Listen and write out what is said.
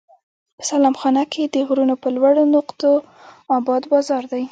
په سلام خانه کې د غرونو پر لوړو نقطو اباد بازار دی.